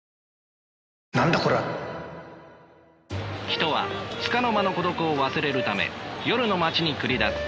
人はつかの間の孤独を忘れるため夜の街に繰り出す。